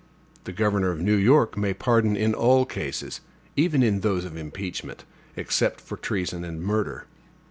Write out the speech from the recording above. The governor of New York may pardon in all cases, even in those of impeachment, except for treason and murder.